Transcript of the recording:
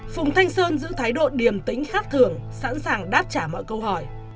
phùng thanh sơn giữ thái độ điềm tính khát thường sẵn sàng đáp trả mọi câu hỏi